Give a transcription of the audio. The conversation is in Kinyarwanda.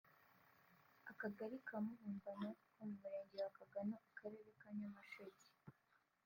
Akagari ka Mubumbano ko mu Murenge wa Kagano Akarere ka Nyamasheke